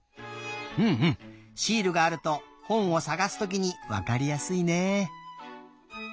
シールがあると本をさがすときにわかりやすいね。